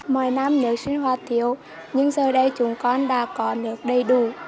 mỗi năm nước sinh hoạt thiếu nhưng giờ đây chúng con đã có nước đầy đủ